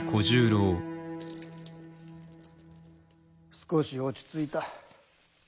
・少し落ち着いた。